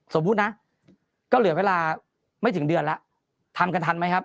สมมุตินะก็เหลือเวลาไม่ถึงเดือนแล้วทำกันทันไหมครับ